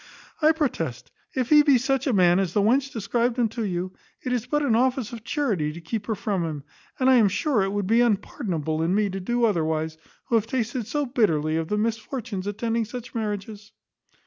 I protest, if he be such a man as the wench described him to you, it is but an office of charity to keep her from him; and I am sure it would be unpardonable in me to do otherwise, who have tasted so bitterly of the misfortunes attending such marriages."